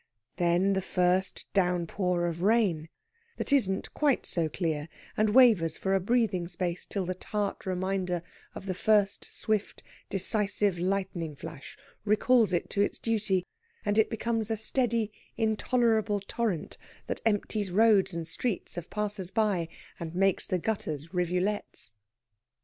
Then the first downpour of rain, that isn't quite so clear, and wavers for a breathing space, till the tart reminder of the first swift, decisive lightning flash recalls it to its duty, and it becomes a steady, intolerable torrent that empties roads and streets of passers by, and makes the gutters rivulets.